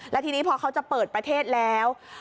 แล้วทีนี้พอเขาจะเปิดประเทศแล้ว